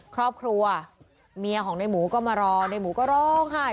ครอบครัวเมียของในหมูก็มารอในหมูก็ร้องไห้